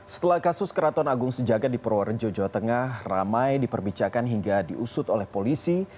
setelah kasus keraton agung sejagat di purworejo jawa tengah ramai diperbicarakan hingga diusut oleh polisi